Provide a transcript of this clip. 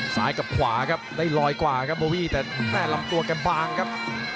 ซ้ายกับขวาครับได้ลอยกว่าครับโบวี่แต่แม่ลำตัวแกบางครับ